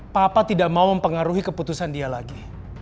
papa tidak mau mempengaruhi keputusan dia lagi